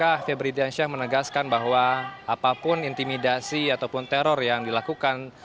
pak b b bridiansyah menegaskan bahwa apapun intimidasi ataupun teror yang dilakukan